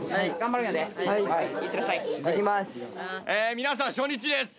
皆さん初日です。